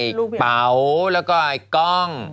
กระเป๋าแล้วก็ไอ้กล้อง